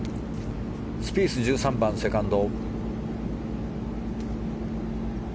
スピース、１３番のセカンド。